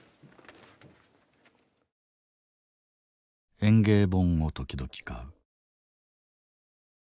「園芸本を時々買う」。